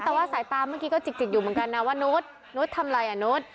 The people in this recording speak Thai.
แต่ว่าสายตามันกี้ก็จิกจิกอยู่เหมือนกันนะว่านุ๊ดนุ๊ดทำอะไรอ่ะนุ๊ด